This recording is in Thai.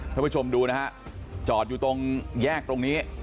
ท่านผู้ชมดูนะฮะจอดอยู่ตรงแยกตรงนี้